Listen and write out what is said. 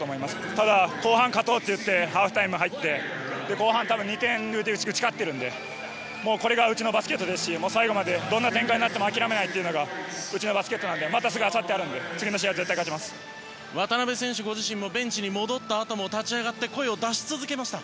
ただ、後半勝とうと言ってハーフタイムに入って後半２点、うちが勝っているのでこれがうちのバスケットですし最後までどんな展開になっても諦めないというのがうちのバスケットなのでまだあさってがあるので渡邊選手ご自身もベンチに戻ったあとも立ち上がって声を出し続けました。